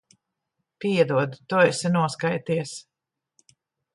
Piedod. Tu esi noskaities.